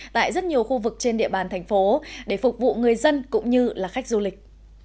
tại rất nhiều khu vực trên địa bàn thành phố để phục vụ người dân cũng như là khách du lịch